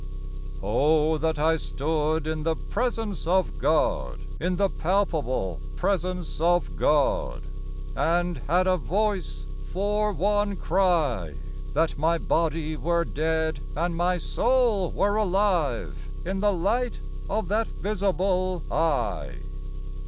O that I stood in the presence of God ; In the palpable presence of God, And had voice for one cry ! That my body were dead and my soul were alive In the light of that visible Eye.